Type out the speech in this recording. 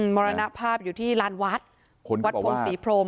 มรณภาพอยู่ที่ลานวัดวัดพรมศรีพรม